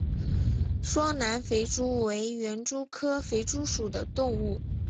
双南肥蛛为园蛛科肥蛛属的动物。